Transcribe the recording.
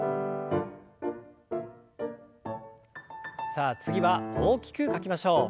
さあ次は大きく書きましょう。